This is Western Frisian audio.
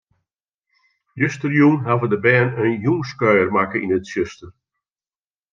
Justerjûn hawwe de bern in jûnskuier makke yn it tsjuster.